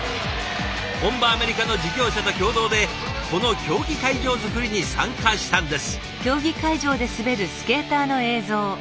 本場アメリカの事業者と共同でこの競技会場作りに参加したんです。